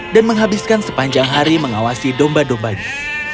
dan menghabiskan sepanjang hari mengawasi domba dombanya